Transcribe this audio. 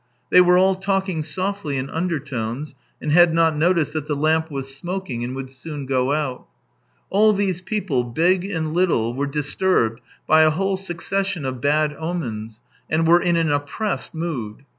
They were all talking softly in undertones, and had not noticed that the lamp was smoking and would soon go out. All these people, big and little, were disturbed by a whole succession of bad omens and were in an oppressed mood.